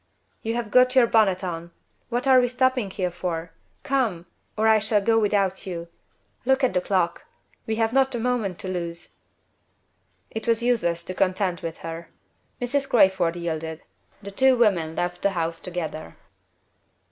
You have got your bonnet on; what are we stopping here for? Come! or I shall go without you. Look at the clock; we have not a moment to lose!" It was useless to contend with her. Mrs. Crayford yielded. The two women left the house together.